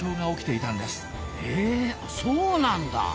へそうなんだ！